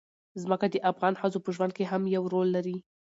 ځمکه د افغان ښځو په ژوند کې هم یو رول لري.